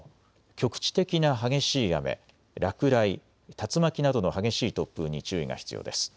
局地的な激しい雨、落雷、竜巻などの激しい突風に注意が必要です。